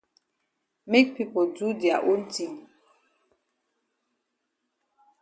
Make pipo do dia own tin.